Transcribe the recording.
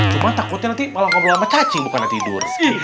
cuma takutnya nanti malah ngobrol sama cacing bukannya tidur